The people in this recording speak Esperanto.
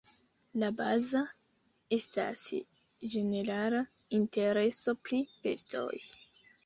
La baza estas ĝenerala intereso pri bestoj.